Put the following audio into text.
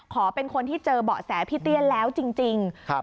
ขอเป็นคนที่เจอเบาะแสพี่เตี้ยแล้วจริง